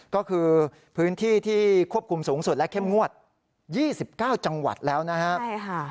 ก็คือพื้นที่ที่ควบคุมสูงสุดและเข้มงวด๒๙จังหวัดแล้วนะครับ